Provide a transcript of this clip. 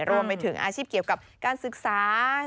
รวมไปถึงอาชีพเกี่ยวกับการศึกษา